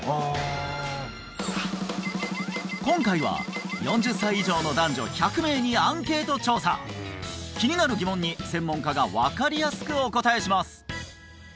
今回は４０歳以上の男女１００名にアンケート調査気になる疑問に専門家が分かりやすくお答えします